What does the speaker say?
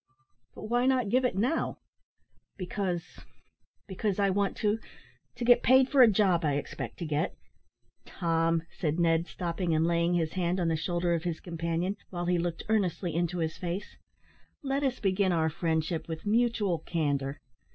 "But why not give it now?" "Because because, I want to to get paid for a job I expect to get " "Tom," said Ned, stopping and laying his hand on the shoulder of his companion, while he looked earnestly into his face, "let us begin our friendship with mutual candour.